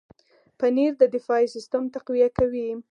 پنېر د دفاعي سیستم تقویه کوي.